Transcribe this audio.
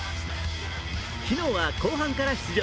昨日は後半から出場。